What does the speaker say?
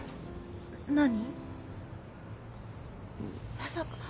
まさか！？